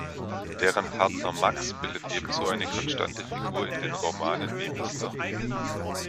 Deren Partner Max bildet ebenso eine konstante Figur in den Romanen wie Mr.